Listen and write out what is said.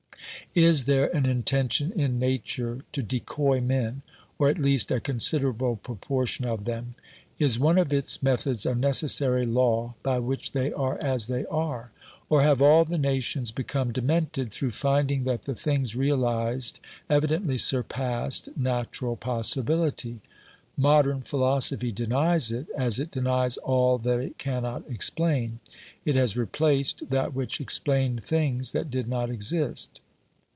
Is there an intention in Nature to decoy men, or at least a considerable proportion of them ? Is one of its methods a necessary law by which they are as they are ? Or have all the nations become demented through finding that the things realised evidently surpassed natural possi bility ? Modern philosophy denies it, as it denies all that it cannot explain. It has replaced that which explained things that did not exist.